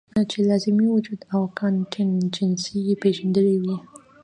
چې لازمي وجود او کانټينجنسي ئې پېژندلي وے -